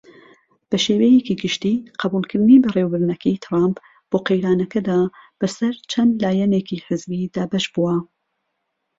بەشێوەیەکی گشتی قبوڵکردنی بەڕێوبردنەکەی تڕامپ بۆ قەیرانەکەدا بە سەر چەند لایەنێکی حزبی دابەش بووە.